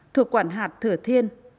thuộc quảng hạt thừa thiên